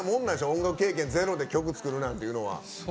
音楽経験ゼロで曲作るなんていうのは。